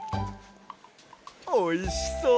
おいしそう！